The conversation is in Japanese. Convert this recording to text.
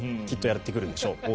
きっとやってくるんでしょう。